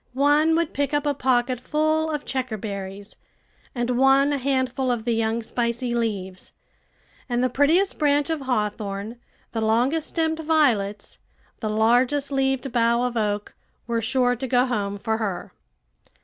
One would pick up a pocket full of checkerberries, and one a handful of the young, spicy leaves; and the prettiest branch of hawthorn, the longest stemmed violets, the largest leaved bough of oak, were sure to go home for her.